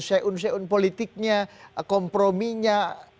seun seun politiknya komprominya